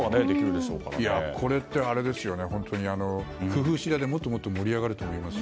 これって本当に工夫次第で、もっともっと盛り上がると思います。